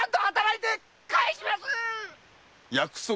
はい！